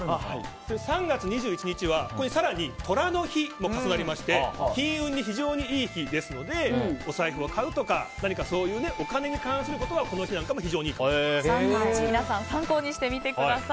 ３月２１日はここに更に寅の日も重なって金運に非常にいい日ですのでお財布を買うとかそういうお金に関することがこの日は皆さん参考にしてみてください。